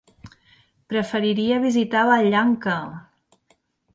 Preferiria visitar Vallanca.